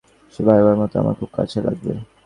সে বরাবরের মত আমার খুব কাজে লাগবে।